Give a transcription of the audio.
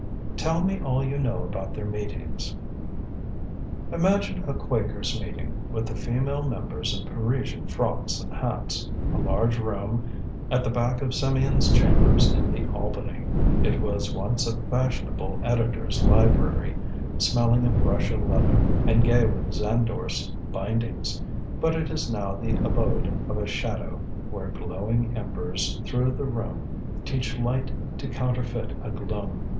"Tell me all you know about their meetings." "Imagine a Quakers' meeting, with the female members in Parisian frocks and hats a large room at the back of Symeon's chambers in the 'Albany.' It was once a fashionable editor's library, smelling of Russia leather, and gay with Zansdorf's bindings but it is now the abode of shadow, 'where glowing embers through the room, teach light to counterfeit a gloom.'